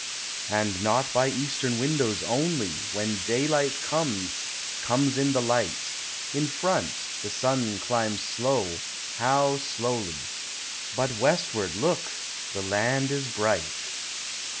And not by eastern windows only, When daylight comes, comes in the light, In front, the sun climbs slow, how slowly, But westward, look, the land is bright.